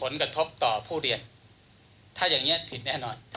ในจัญญาบันเราไม่ได้รับบุขนาดนั้น